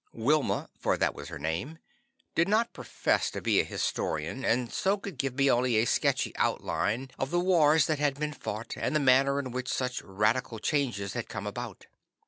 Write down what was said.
Wilma, for that was her name, did not profess to be a historian, and so could give me only a sketchy outline of the wars that had been fought, and the manner in which such radical changes had come about.